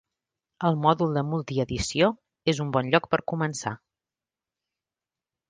El mòdul de multi-edició és un bon lloc per començar.